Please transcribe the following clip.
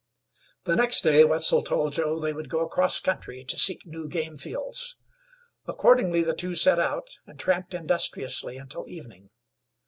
The next day Wetzel told Joe they would go across country to seek new game fields. Accordingly the two set out, and tramped industriously until evening.